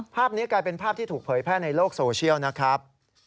ภาพนี้กลายเป็นภาพที่ถูกเผยแพร่ในโลกโซเชียลนะครับ